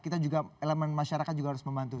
kita juga elemen masyarakat juga harus membantu